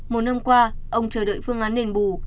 một năm qua ông chờ đợi phương án đền bù